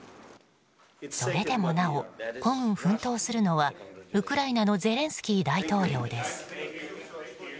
それでもなお孤軍奮闘するのはウクライナのゼレンスキー大統領です。